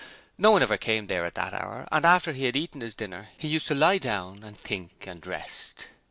No one ever came there at that hour, and after he had eaten his dinner he used to lie down and think and rest.